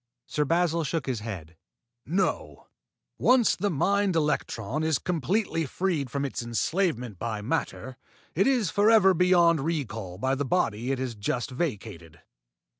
Sir Basil shook his head. "No. When once the mind electron is completely freed from its enslavement by matter, it is forever beyond recall by the body it has just vacated.